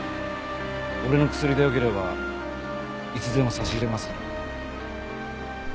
俺の薬でよければいつでも差し入れますから。